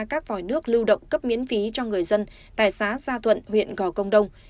các vòi nước lưu động cấp miễn phí cho người dân tại xã gia thuận huyện gò công đông